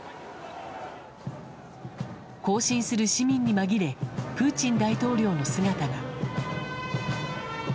行進する市民に紛れプーチン大統領の姿が。